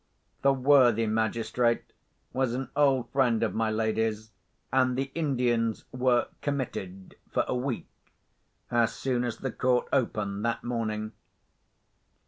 The worthy magistrate was an old friend of my lady's, and the Indians were "committed" for a week, as soon as the court opened that morning.